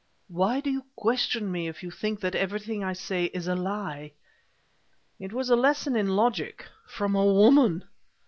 "Why do you question me if you think that everything I say is a lie?" It was a lesson in logic from a woman!